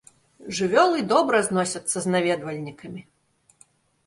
Жывёлы добра зносяцца з наведвальнікамі.